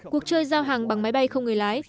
cuộc chơi giao hàng bằng máy bay không người lái